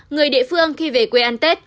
người địa phương khi về quê ăn tết